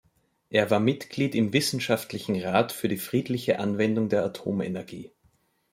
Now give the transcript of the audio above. Er war Mitglied im Wissenschaftlichen Rat für die friedliche Anwendung der Atomenergie.